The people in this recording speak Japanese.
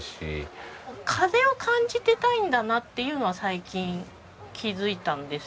風を感じていたいんだなっていうのは最近気づいたんですよね。